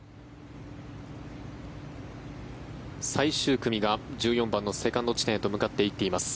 最終組が１４番のセカンド地点へと向かっていっています。